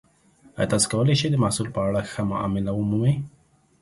ایا تاسو کولی شئ د محصول په اړه ښه معامله ومومئ؟